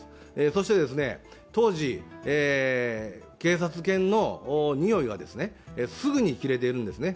そして、当時、警察犬のにおいはすぐに切れているんですね。